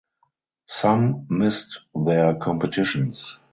Some missed their competitions.